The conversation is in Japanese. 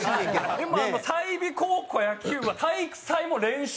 でも済美高校野球部は体育祭も。